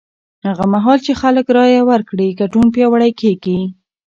هغه مهال چې خلک رایه ورکړي، ګډون پیاوړی کېږي.